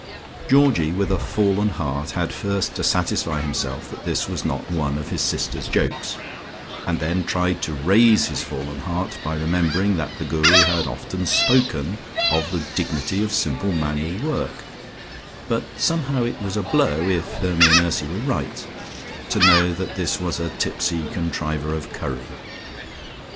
Georgie with a fallen heart had first to satisfy himself that this was not one of his sisters' jokes, and then tried to raise his fallen heart by remembering that the Guru had often spoken of the dignity of simple manual work, but somehow it was a blow, if Hermy and Ursy were right, to know that this was a tipsy contriver of curry.